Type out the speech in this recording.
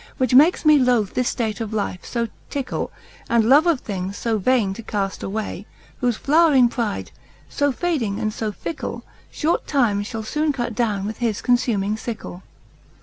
Which makes me loath this ftate of life fo tickle And love of ththgs fo vaine to caft away ; Whofe flowring pride, lb fading and fo fick^v. Short Time fhall foon cut down with his confuming fickle.